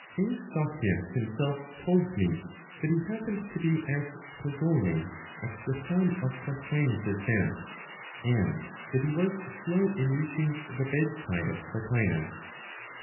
Eustochius himself told me that he happened to be at Puzzoli at the time of Plotinos's death, and that he was slow in reaching the bedside of Plotinos.